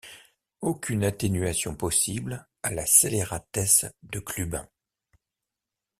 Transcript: Aucune atténuation possible à la scélératesse de Clubin.